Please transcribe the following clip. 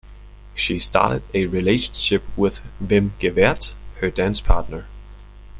She started a relationship with Wim Gevaert her dance partner.